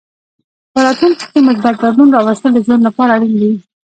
په راتلونکې کې مثبت بدلون راوستل د ژوند لپاره اړین دي.